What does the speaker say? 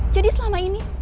jadi selama ini